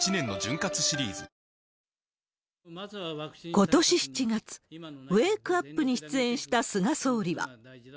ことし７月、ウェークアップに出演した菅総理は。